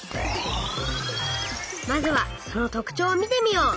まずはその特ちょうを見てみよう。